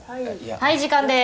はい時間です。